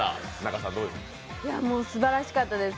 すばらしかったです。